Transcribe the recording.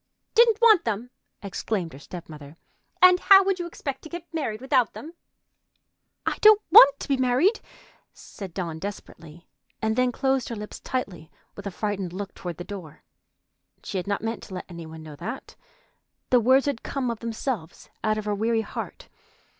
"Didn't want them!" exclaimed her step mother. "And how would you expect to get married without them?" "I don't want to be married!" said Dawn desperately, and then closed her lips tightly, with a frightened look toward the door. She had not meant to let any one know that. The words had come of themselves out of her weary heart.